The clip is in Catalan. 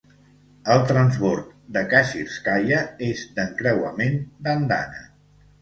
El transbord de Kashirskaya és d'encreuament d'andana.